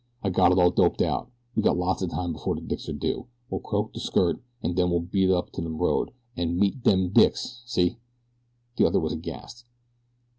"I got it all doped out. We got lots o' time before de dicks are due. We'll croak de skirt, an' den we'll beat it up de road AN' MEET DE DICKS see?" The other was aghast.